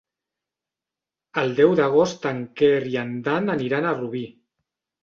El deu d'agost en Quer i en Dan aniran a Rubí.